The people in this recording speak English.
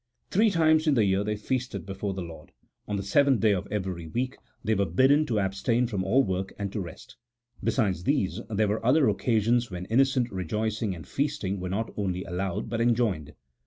Three times in the year they feasted before the Lord ; on the seventh day of every week they were bidden to abstain from all work and to rest ; besides these, there were other occasions when innocent rejoicing and feasting were not only allowed but enjoined.